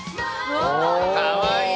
かわいい！